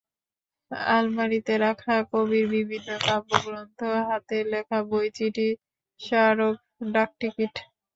আলমারিতে রাখা কবির বিভিন্ন কাব্যগ্রন্থ, হাতে লেখা বই, চিঠি, স্মারক ডাকটিকিট।